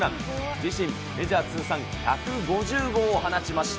自身メジャー通算１５０号を放ちました。